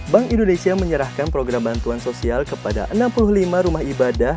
bank indonesia menyerahkan program bantuan sosial kepada enam puluh lima rumah ibadah